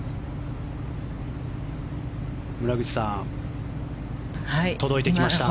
村口さん届いてきました。